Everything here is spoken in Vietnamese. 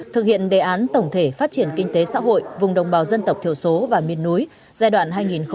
thực hiện đề án tổng thể phát triển kinh tế xã hội vùng đồng bào dân tộc thiểu số và miền núi giai đoạn hai nghìn hai mươi một hai nghìn ba mươi